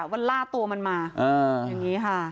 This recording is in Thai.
ว่าล่าตัวมันมาอย่างนี้ค่ะ